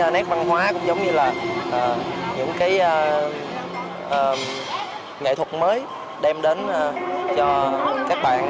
nét văn hóa cũng giống như là những nghệ thuật mới đem đến cho các bạn